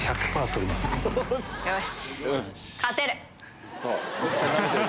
よし。